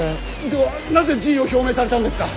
ではなぜ辞意を表明されたんですか？